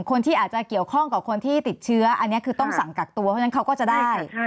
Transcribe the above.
คนที่อาจจะเกี่ยวข้องกับคนที่ติดเชื้ออันนี้คือต้องสั่งกักตัวเพราะฉะนั้นเขาก็จะได้